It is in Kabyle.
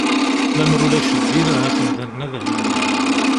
Lammer ulac ddin ahat imdanen ad hennin.